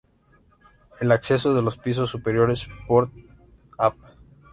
El acceso a los pisos superiores, por Av.